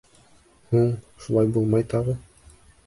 Һуң, шулай булмай тағы!